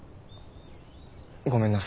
ごめんなさい。